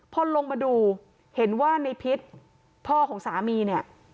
พอลงมาดูเห็นว่าในพิษพ่อของสามีเนี่ย